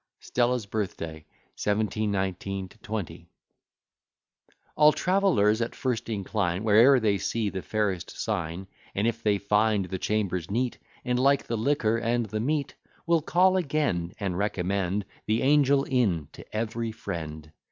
STELLA'S BIRTH DAY. 1719 20 WRITTEN A.D. 1720 21. Stella. All travellers at first incline Where'er they see the fairest sign And if they find the chambers neat, And like the liquor and the meat, Will call again, and recommend The Angel Inn to every friend.